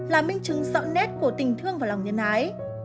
là minh chứng rõ nét của tình thương và lòng nhân ái